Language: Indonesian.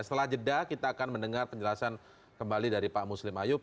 setelah jeda kita akan mendengar penjelasan kembali dari pak muslim ayub